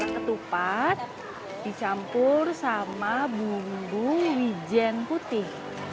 ketupat dicampur sama bumbu wijen putih